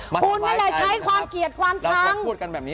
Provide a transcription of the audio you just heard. ประเทศไทยเขาอยู่กันมาสงบตั้งนาน